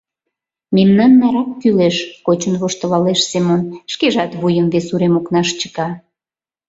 — Мемнан нарак кӱлеш, — кочын воштылалеш Семон, шкежат вуйым вес урем окнаш чыка.